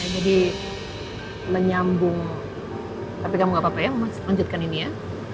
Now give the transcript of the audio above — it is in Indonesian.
jadi menyambung tapi kamu gak apa apa ya lanjutkan ini ya